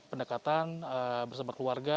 pendekatan bersama keluarga